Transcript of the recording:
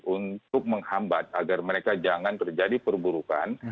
untuk menghambat agar mereka jangan terjadi perburukan